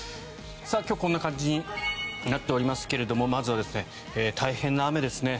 今日こんな感じになっておりますがまずは大変な雨ですね。